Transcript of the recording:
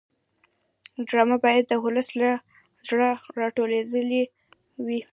ډرامه باید د ولس له زړه راټوکېدلې وي